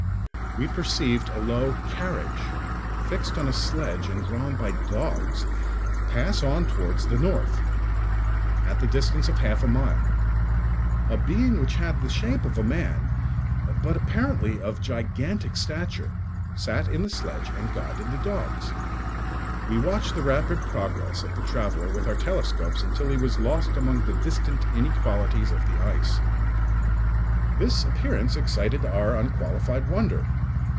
We perceived a low carriage, fixed on a sledge and drawn by dogs, pass on towards the north, at the distance of half a mile; a being which had the shape of a man, but apparently of gigantic stature, sat in the sledge and guided the dogs. We watched the rapid progress of the traveller with our telescopes until he was lost among the distant inequalities of the ice. This appearance excited our unqualified wonder.